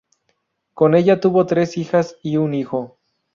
Con ella tuvo tres hijas y un hijo.